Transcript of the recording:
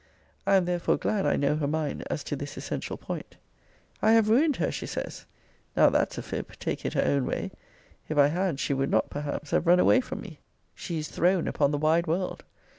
I am therefore glad I know her mind as to this essential point. I have ruined her! she says. Now that's a fib, take it her own way if I had, she would not, perhaps, have run away from me. She is thrown upon the wide world!